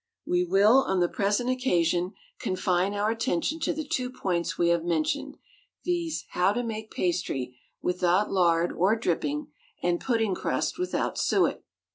We will, on the present occasion, confine our attention to the two points we have mentioned, viz., how to make pastry without lard or dripping, and pudding crust without suet.